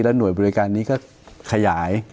หน่วยบริการนี้ก็ขยาย